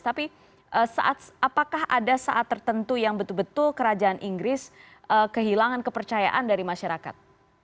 tapi apakah ada saat tertentu yang betul betul kerajaan inggris kehilangan kepercayaan dari masyarakat